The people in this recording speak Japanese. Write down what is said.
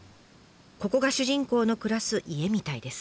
ここが主人公の暮らす家みたいです。